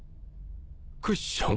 クッション？